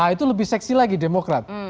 itu lebih seksi lagi demokrat